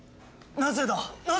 なぜだ！